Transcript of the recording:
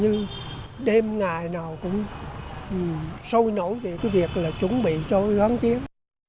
chứ còn hầu như đêm ngày nào cũng sôi nổi thì cái việc là chuẩn bị cho gắn tiếp